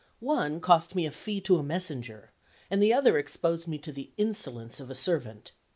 One cost me a fee to a messenger, and the other exposed me to the insolence of a servant.